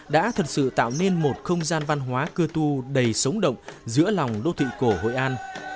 đã thật sự tạo nên một không gian văn hóa cơ tu đầy sống động giữa lòng đô thị cổ hội an